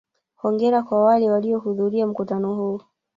Hongera kwa wale walihudhuria mkutano huu.